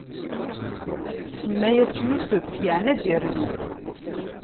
Tsemma-yas Yusef, yeɛni ad d-irnu.